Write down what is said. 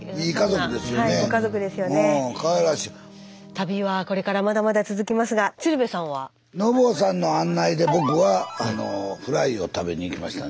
旅はこれからまだまだ続きますが鶴瓶さんは？のぼうさんの案内で僕はフライを食べに行きました。